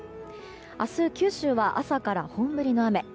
明日、九州は朝から本降りの雨。